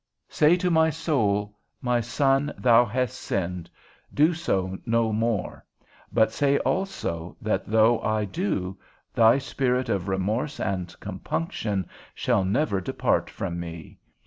Say to my soul, My son, thou hast sinned, do so no more; but say also, that though I do, thy spirit of remorse and compunction shall never depart from me.